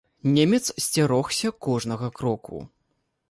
Немец сцярогся кожнага кроку.